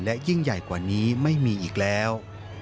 และยิ่งใหญ่กว่านี้ไม่มีอีกแล้ว